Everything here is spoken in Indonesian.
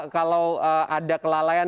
kalau ada kelalaian